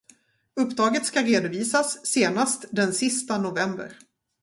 Uppdraget ska redovisas senast den sista november.